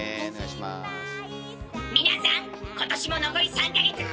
皆さん今年も残り３か月！